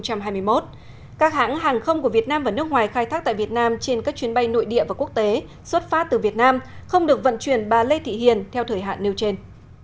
các hãng hàng không của việt nam và nước ngoài khai thác tại việt nam trên các chuyến bay nội địa và quốc tế xuất phát từ việt nam không được vận chuyển bà lê thị hiền theo thời hạn nêu trên